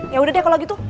yaudah deh kalau gitu